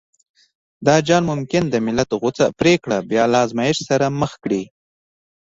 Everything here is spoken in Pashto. دا جال ممکن د ملت غوڅه پرېکړه بيا له ازمایښت سره مخ کړي.